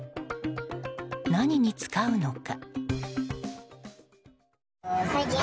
何に使うのか？